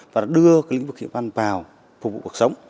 và đưa lĩnh vực khí tượng văn vào phục vụ cuộc sống